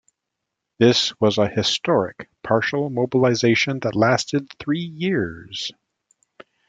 This was a historic partial mobilization that lasted three years.